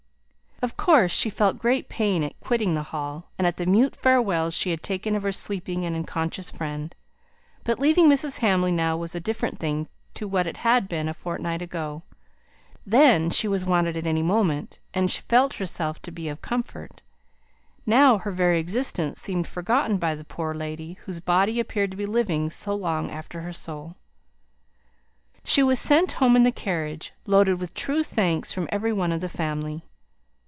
Of course she felt great pain at quitting the Hall, and at the mute farewell she had taken of her sleeping and unconscious friend. But leaving Mrs. Hamley now was a different thing to what it had been a fortnight ago. Then she was wanted at any moment, and felt herself to be of comfort. Now her very existence seemed forgotten by the poor lady whose body appeared to be living so long after her soul. She was sent home in the carriage, loaded with true thanks from every one of the family.